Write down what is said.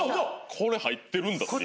これ入ってるんだっていう。